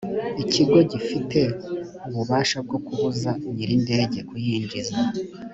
ikigo gifite ububasha bwo kubuza nyir’indege kuyinjiza